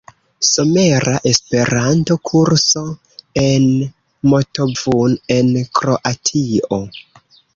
Somera Esperanto-Kurso en Motovun en Kroatio.